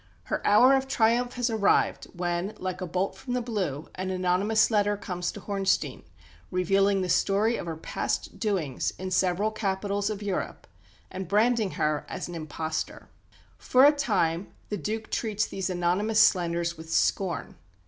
Her hour of triumph has arrived when, like a bolt from the blue, an anonymous letter comes to Hornstein revealing the story of her past doings in several capitals of Europe, and branding her as an "impostor." For a time the Duke treats these anonymous slanders with scorn.